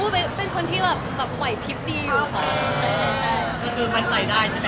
บ้าเป็นคนที่ไหวพทิศดีอยู่พอ